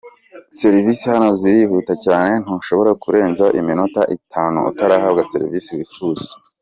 Serivisi hano zirihuta cyane, ntushobora kurenza iminota itanu utarahabwa serivisi wifuza.